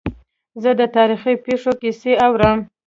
زه د تاریخي پېښو کیسې اورم.